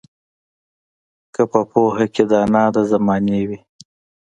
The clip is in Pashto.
که په پوهه کې دانا د زمانې وي